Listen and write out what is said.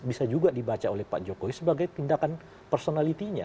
bisa juga dibaca oleh pak jokowi sebagai tindakan personality nya